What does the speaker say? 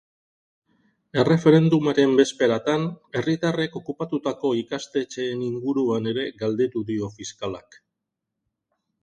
Erreferendumaren bezperatan herritarrek okupatutako ikastetxeen inguruan ere galdetu dio fiskalak.